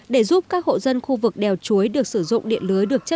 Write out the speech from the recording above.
để giúp các hộ dân khu vực đèo chuối được sử dụng điện lưới được trả lời